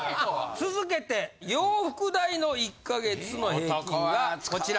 続けて洋服代の１か月の平均がこちら！